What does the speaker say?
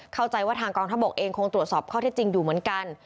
เข้าใจว่าทางกองทบกเองคงตรวจสอบข้อเท็จจริงอยู่เหมือนกัน